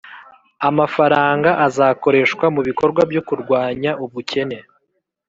amafaranga azakoreshwa mu bikorwa byo kurwanya ubukene